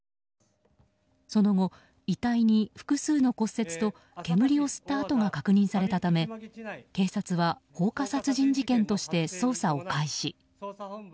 その後、遺体に複数の骨折と煙を吸った跡が確認されたため確認されたため警察は放火殺人事件として捜査を開始。